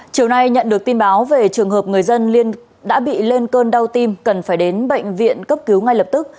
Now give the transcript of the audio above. chiều nay nhận được tin báo về trường hợp người dân đã bị lên cơn đau tim cần phải đến bệnh viện cấp cứu ngay lập tức